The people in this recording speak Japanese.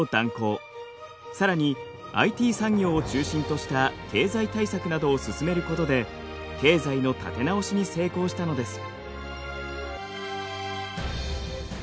さらにＩＴ産業を中心とした経済対策などを進めることで経済の立て直しに成功したのです。